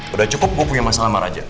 udah cukup gue punya masalah sama raja